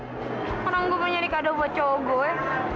sekarang gue mau nyari kado buat cowok gue